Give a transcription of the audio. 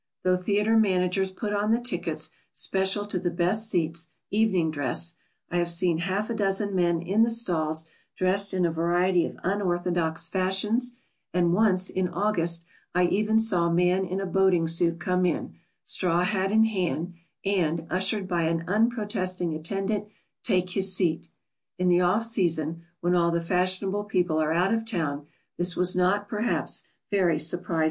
Though theatre managers put on the tickets special to the best seats "Evening Dress," I have seen half a dozen men in the stalls dressed in a variety of unorthodox fashions, and once, in August, I even saw a man in a boating suit come in, straw hat in hand, and, ushered by an unprotesting attendant, take his seat. In the off season, when all the fashionable people are out of town, this was not, perhaps, very surprising.